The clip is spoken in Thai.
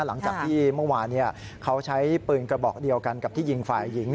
หลังจากที่เมื่อวานเขาใช้ปืนกระบอกเดียวกันกับที่ยิงฝ่ายหญิง